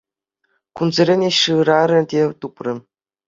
Кунсерен ĕç шырарӗ те тупрӗ.